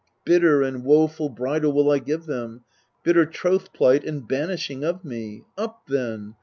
Bitter and woeful bridal will I give them, Bitter troth plight and banishing of me. Up, then